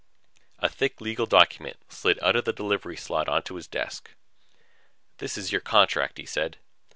A thick legal document slid out of the delivery slot onto his desk. "This is your contract," he said.